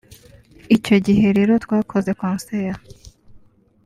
Icyo gihe rero twakoze concert